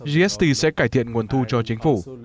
gst sẽ cải thiện nguồn thu cho chính phủ